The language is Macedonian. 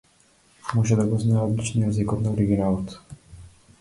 Може да го знае одлично јазикот на оригиналот.